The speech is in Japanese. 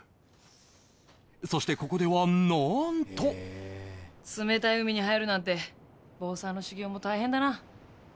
そして、ここではなんと冷たい海に入るなんて坊さんの修行も大変だな